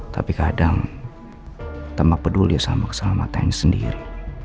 tapi kadang tambah peduli sama keselamatan sendiri